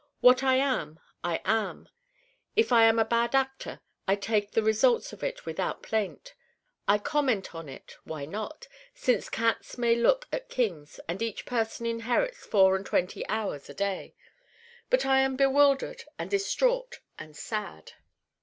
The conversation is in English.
What I am I am. If I am a bad actor I take the results of it without plaint. I comment on it why not? since cats may look at kings and each person inherits four and twenty hours a day. But I am bewildered and distraught and sad.